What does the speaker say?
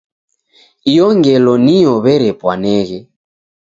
Iyo ngelo niyo w'erepwaneghe.